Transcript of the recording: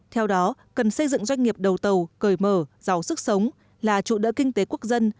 theo đó cần xây dựng doanh nghiệp đầu tàu cởi mở giàu sức sống là trụ đỡ kinh tế quốc dân